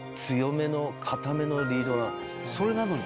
それなのに？